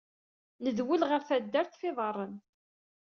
Nedwel ɣel teddart f iḍaren.